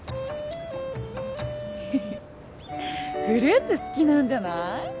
フルーツ好きなんじゃない？